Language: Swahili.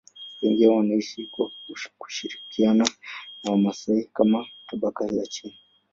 Wengi wao wanaishi kwa kushirikiana na Wamasai kama tabaka la chini.